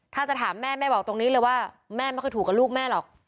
ถ้าจะถามแม่แม่บอกตรงนี้เลยว่าแม่ไม่เคยถูกกับลูกแม่หรอก